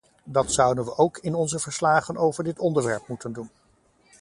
Dat zouden we ook in onze verslagen over dit onderwerp moeten doen.